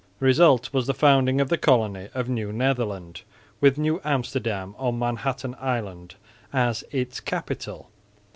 The result was the founding of the colony of New Netherland, with New Amsterdam on Manhattan island as its capital.